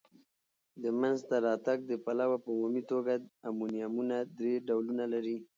د مینځ ته راتګ د پلوه په عمومي توګه امونیمونه درې ډولونه لري.